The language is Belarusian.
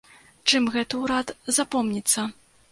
Чым гэты ўрад запомніцца?